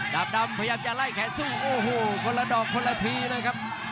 ดำพยายามจะไล่แขนสู้โอ้โหคนละดอกคนละทีเลยครับ